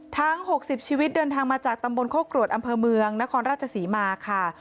๖๐ชีวิตเดินทางมาจากตำบลโคกรวดอำเภอเมืองนครราชศรีมาค่ะ